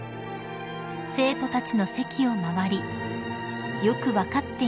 ［生徒たちの席を回り「よく分かっていますね」